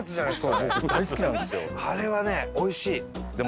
あれはねおいしい。